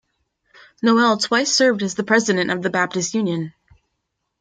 Noel twice served as President of the Baptist Union.